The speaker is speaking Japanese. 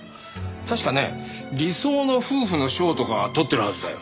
確かね理想の夫婦の賞とか取ってるはずだよ。